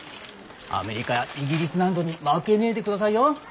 アメリカやイギリスなんぞに負けねえでくださいよ！